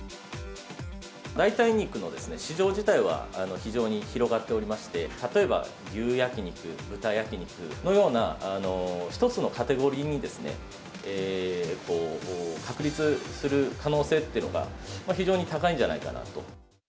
代替肉の市場自体は非常に広がっておりまして、例えば牛焼き肉、豚焼き肉のような、１つのカテゴリーに確立する可能性っていうのが、非常に高いんじゃないかなと。